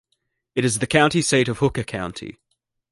It is the county seat of Hooker County.